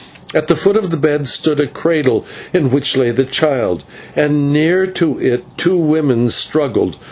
At the foot of the bed stood a cradle, in which lay the child, and near to it two women struggled.